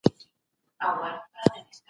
آيا دا نظريات د ټولنيز پيوستون پر بنسټ وو؟